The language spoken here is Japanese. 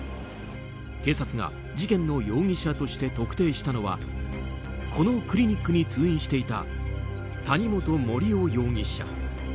警察が事件の容疑者として特定したのはこのクリニックに通院していた谷本盛雄容疑者。